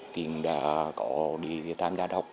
thì đã có đi tham gia đọc